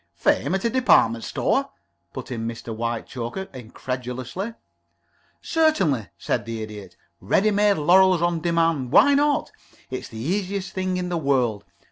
"Fame? At a department store!" put in Mr. Whitechoker, incredulously. "Certainly," said the Idiot. "Ready made laurels on demand. Why not? It's the easiest thing in the world.